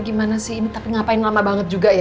gimana sih ini tapi ngapain lama banget juga ya